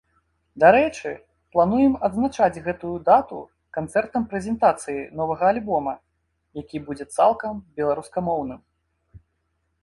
Дарэчы, плануем адзначаць гэтую дату канцэртам-прэзентацыяй новага альбома, які будзе цалкам беларускамоўным.